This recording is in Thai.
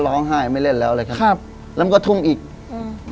ร้องไห้ไม่เล่นแล้วเลยครับครับแล้วมันก็ทุ่งอีกอืม